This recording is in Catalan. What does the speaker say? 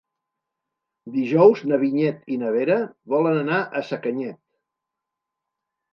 Dijous na Vinyet i na Vera volen anar a Sacanyet.